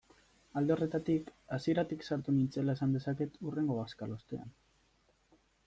Alde horretatik, hasieratik sartu nintzela esan dezaket hurrengo bazkalostean.